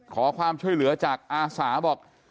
ขอความช่วยเหลือจากอาสาบอก